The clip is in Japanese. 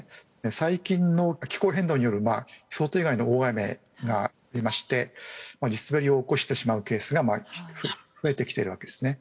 最近の気候変動による想定外の大雨がありまして地滑りを起こしてしまうケースが増えてきているわけですね。